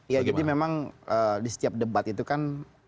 ya jadi memang di setiap debat itu kan